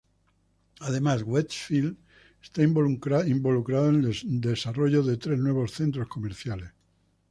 Además, Westfield está involucrado en el desarrollo de tres nuevos centros comerciales.